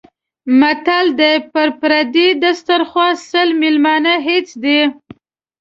متل دی: په پردي دیسترخوا سل مېلمانه هېڅ دي.